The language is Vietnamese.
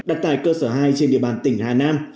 đặt tại cơ sở hai trên địa bàn tỉnh hà nam